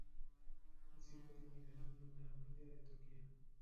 Es hijo de un iraní y una armenia de Turquía.